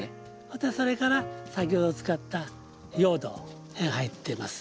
またそれから先ほど使った用土入ってます。